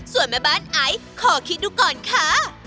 ส่วนแม่บ้านไอซ์ขอคิดดูก่อนค่ะ